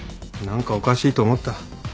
何かおかしいと思った。